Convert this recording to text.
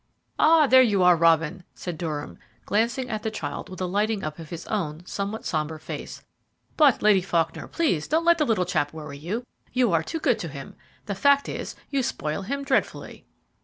"Ah! there you are, Robin," said Durham, glancing at the child with a lighting up of his own somewhat sombre face. "But, Lady Faulkner, please don't let the little chap worry you you are too good to him. The fact is, you spoil him dreadfully."